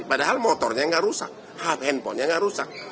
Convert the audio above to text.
padahal motornya nggak rusak hard handphonenya nggak rusak